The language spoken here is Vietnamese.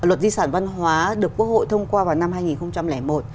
luật di sản văn hóa được quốc hội thông qua vào năm hai nghìn một